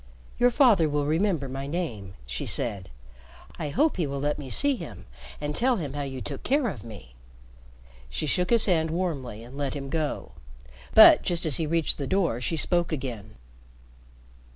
"Your father will remember my name," she said. "I hope he will let me see him and tell him how you took care of me." She shook his hand warmly and let him go. But just as he reached the door she spoke again.